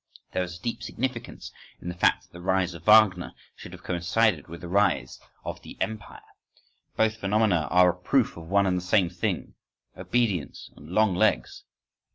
… There is a deep significance in the fact that the rise of Wagner should have coincided with the rise of the "Empire": both phenomena are a proof of one and the same thing—obedience and long legs.